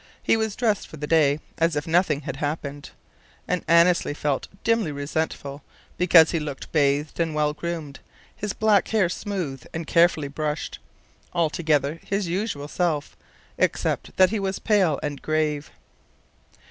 He was dressed for the day, as if nothing had happened; and Annesley felt dimly resentful because he looked bathed and well groomed, his black hair smooth and carefully brushed; altogether his usual self, except that he was pale and grave.